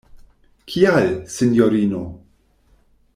Kial, sinjorino?